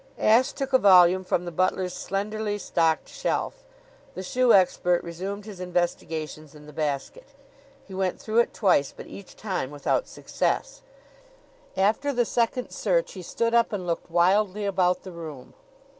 Ashe took a volume from the butler's slenderly stocked shelf. The shoe expert resumed his investigations in the basket. He went through it twice, but each time without success. After the second search he stood up and looked wildly about the room.